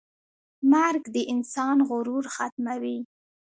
مرګ د انسان غرور ختموي.